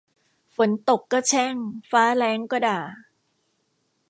ฝนตกก็แช่งฟ้าแล้งก็ด่า